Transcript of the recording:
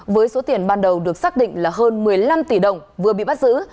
với số tiền ban đầu được xác định là hơn một mươi năm tỷ đồng vừa bị bắt giữ